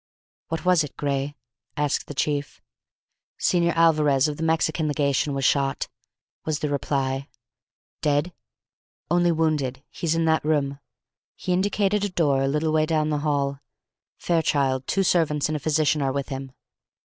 "What was it, Gray?" asked the chief. "Señor Alvarez, of the Mexican legation, was shot," was the reply. "Dead?" "Only wounded. He's in that room," and he indicated a door a little way down the hall. "Fairchild, two servants, and a physician are with him."